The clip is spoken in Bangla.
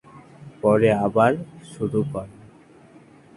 পরে আবার শুরু করেন।